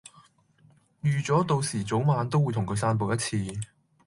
預咗到時早晚都會同佢散步一次